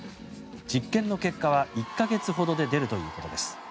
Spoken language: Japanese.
実験の結果は１か月ほどで出るということです。